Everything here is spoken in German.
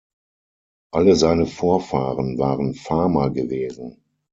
Alle seine Vorfahren waren Farmer gewesen.